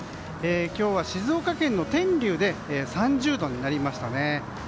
今日は静岡県の天竜で３０度になりましたね。